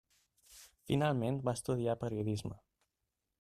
Finalment va estudiar periodisme.